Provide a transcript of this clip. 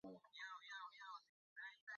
以在太行山之东而得名。